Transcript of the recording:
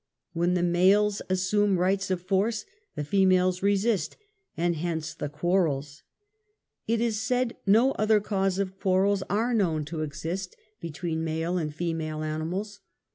When the males assume rights of force the females resist, and hence the quarrels. It is said no other cause of quarrels are known to exist between 140 UNMASKED. male and female animals.